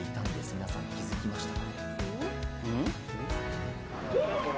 皆さん気づきました？